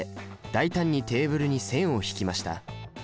大胆にテーブルに線を引きました。